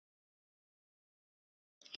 «Siz ushbu huquqlarni tushundingizmi?»